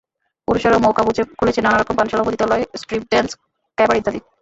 পুরুষেরাও মওকা বুঝে খুলেছে নানা রকম পানশালা, পতিতালয়, স্ট্রিপড্যান্স, ক্যাবারে ইত্যাদি।